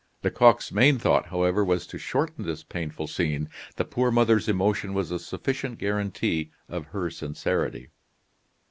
Lecoq's main thought, however, was to shorten this painful scene. The poor mother's emotion was a sufficient guarantee of her sincerity.